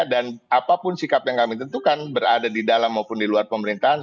dan apapun sikap yang kami tentukan berada di dalam maupun di luar pemerintahan